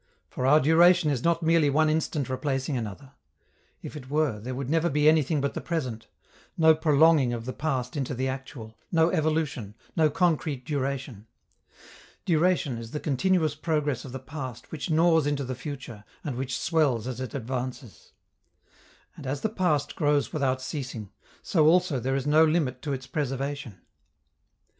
For our duration is not merely one instant replacing another; if it were, there would never be anything but the present no prolonging of the past into the actual, no evolution, no concrete duration. Duration is the continuous progress of the past which gnaws into the future and which swells as it advances. And as the past grows without ceasing, so also there is no limit to its preservation.